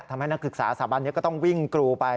ทำให้นักศึกษาสถาบันก็ต้องวิ่งกรูไป